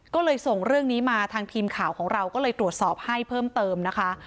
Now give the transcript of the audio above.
ก็เลยส่งเรื่องนี้มาทางทีมข่าวของเราก็เลยตรวจสอบให้เพิ่มเติมนะคะ